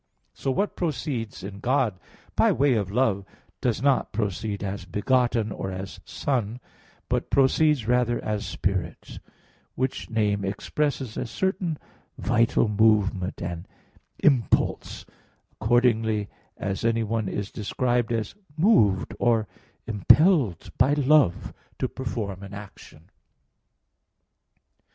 So what proceeds in God by way of love, does not proceed as begotten, or as son, but proceeds rather as spirit; which name expresses a certain vital movement and impulse, accordingly as anyone is described as moved or impelled by love to perform an action.